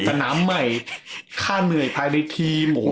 ชั้นเกิดสนามใหม่ที่ค่าเหนื่อยภายในทีม